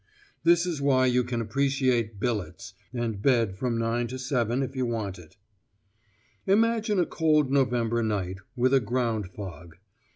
That is why you can appreciate billets, and bed from 9.0 to 7.0 if you want it. Imagine a cold November night with a ground fog.